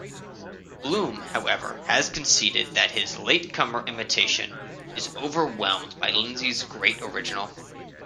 Bloom, however, has conceded that his late-comer imitation is overwhelmed by Lindsay's great original.